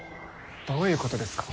どういうことですか？